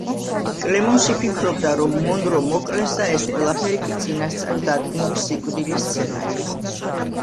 კლემონსი ფიქრობდა, რომ მონრო მოკლეს და ეს ყველაფერი კი წინასწარ დადგმული სიკვდილის სცენა იყო.